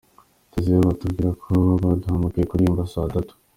Tugezeyo batubwira ko baduhamagaye kuririmba saa tatu.